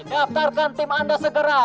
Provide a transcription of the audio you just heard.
daftarkan tim anda segera